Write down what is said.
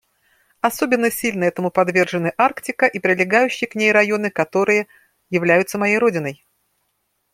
Особенно сильно этому подвержены Арктика и прилегающие к ней районы, которые являются моей родиной.